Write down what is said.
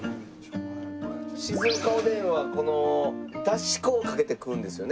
静岡おでんはこのだし粉をかけて食うんですよね？